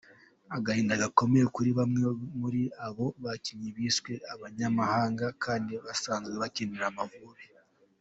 Agahinda gakomeye kuri bamwe muri abo bakinnyi biswe abanyamahanga kandi basanzwe bakinira Amavubi.